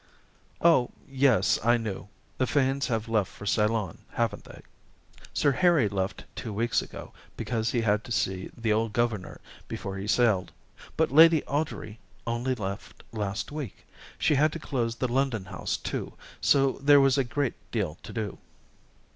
"Oh, yes, I knew. The Fanes have left for Ceylon, haven't they?" "Sir Harry left two weeks ago, because he had to see the old governor before he sailed, but Lady Audrey only left last week. She had to close the London house, too, so there was a great deal to do."